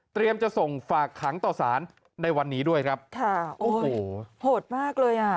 จะส่งฝากขังต่อสารในวันนี้ด้วยครับค่ะโอ้โหโหดมากเลยอ่ะ